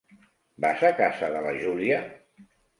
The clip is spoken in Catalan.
Vas a casa de la Julia?